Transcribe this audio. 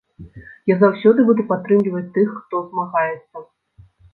Я заўсёды буду падтрымліваць тых, хто змагаецца.